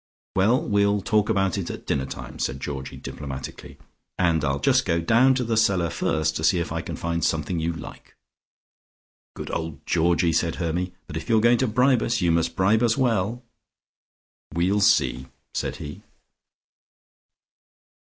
"Well, we'll talk about it at dinner time," said Georgie diplomatically. "And I'll just go down to the cellar first to see if I can find something you like." "Good old Georgie," said Hermy. "But if you're going to bribe us, you must bribe us well." "We'll see," said he.